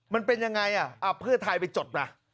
มันเป็นยังไงเพื่อไทยไปจดมา